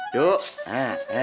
duh bapak mau di sini